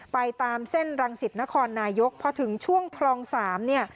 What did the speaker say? ไปตามเส้นรังสิตนครนายกพอถึงช่วงคลอง๓เนี่ย